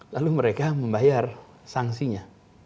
lalu mereka membayar sanksinya